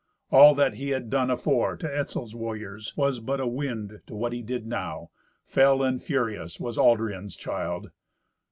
All that he ha done afore to Etzel's warriors was but a wind to what he did now; fell and furious was Aldrian's child.